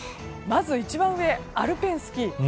まず一番上、アルペンスキー。